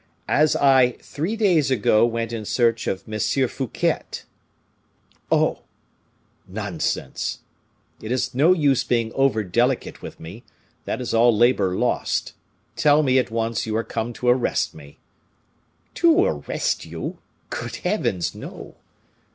"As I, three days ago, went in search of M. Fouquet?" "Oh!" "Nonsense! It is of no use being over delicate with me; that is all labor lost. Tell me at once you are come to arrest me." "To arrest you? Good heavens! no."